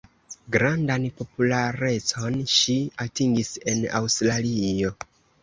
Grandan popularecon ŝi atingis en Aŭstralio.